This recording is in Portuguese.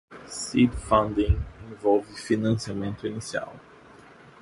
Seed Funding envolve financiamento inicial.